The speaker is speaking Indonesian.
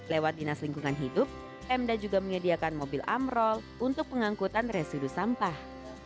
lewat dinas lingkungan hidup emda juga menyediakan mobil amrol untuk pengangkutan residu sampah